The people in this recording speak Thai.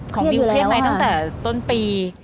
ดิวเครียดไหมตั้งแต่ต้นปี